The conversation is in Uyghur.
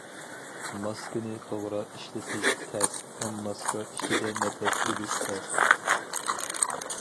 ماسكىنى توغرا ئىشلىتىش تەس ھەم ماسكا ئىچىدە نەپەس ئېلىش تەس.